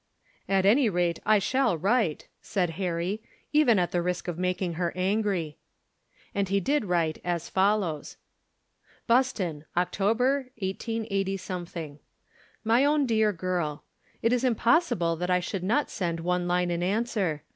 "At any rate, I shall write," said Harry, "even at the risk of making her angry." And he did write as follows: "BUSTON, October, 188 . "MY OWN DEAR GIRL, It is impossible that I should not send one line in answer.